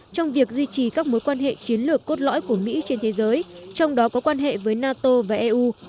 trong việc duy trì các mối quan hệ chiến lược cốt lõi của mỹ trên thế giới trong đó có quan hệ với nato và eu